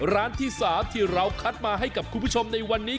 ร้านที่๓ที่เราคัดมาให้กับคุณผู้ชมในวันนี้